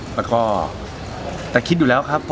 แล้วก็แต่คิดอยู่แล้วครับ